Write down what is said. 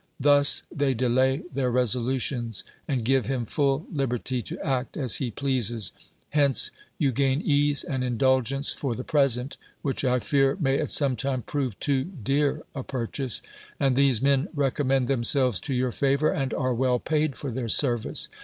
Thus they delay their resolutions, j and give liim full libei ty to act as he pleases; lience you gain ease and indulgence for the present (which I fear 2uay at some time prove too dear a purcliase) ; and these men recommend themselves to your favor, and are well paid for their service.